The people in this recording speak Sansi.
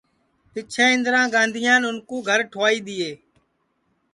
پِچھیں اِندرا گاندھیان اُن کُو گھر ٹُھوائی دؔیئے